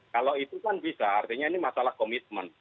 kalau itu kan bisa artinya ini masalah komitmen